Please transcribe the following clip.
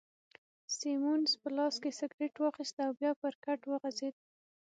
سیمونز په لاس کي سګرېټ واخیست او بیا پر کټ وغځېد.